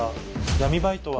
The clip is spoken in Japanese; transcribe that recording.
闇バイトは犯罪。